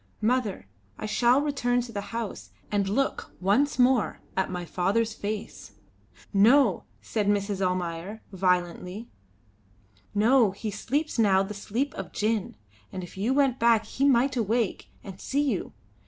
Mother, I shall return to the house and look once more at my father's face." "No!" said Mrs. Almayer, violently. "No, he sleeps now the sleep of gin; and if you went back he might awake and see you.